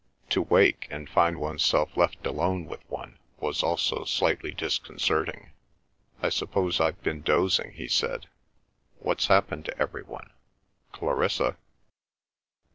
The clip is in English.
To wake and find oneself left alone with one was also slightly disconcerting. "I suppose I've been dozing," he said. "What's happened to everyone? Clarissa?"